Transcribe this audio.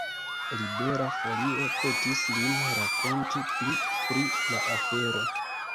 Libera Folio petis lin rakonti pli pri la afero.